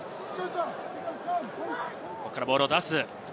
ここからボールを出す。